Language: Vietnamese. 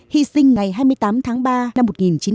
hy sinh ngày hai mươi tám tháng ba năm một nghìn chín trăm tám mươi